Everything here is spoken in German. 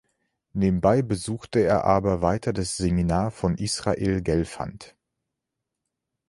Nebenbei besuchte er aber weiter das Seminar von Israel Gelfand.